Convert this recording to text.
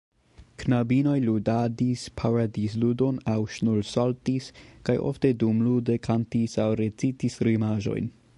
Knabinoj ludadis paradizludon aŭ ŝnursaltis, kaj ofte dumlude kantis aŭ recitis rimaĵojn.